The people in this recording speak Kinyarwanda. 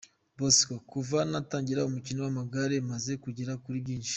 Bosco: Kuva natangira umukino w’amagare, maze kugera kuri byibshi.